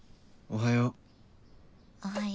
「おはよう」。